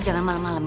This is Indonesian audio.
sampai jumpa lagi